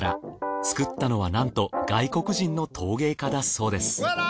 作ったのはなんと外国人の陶芸家だそうです。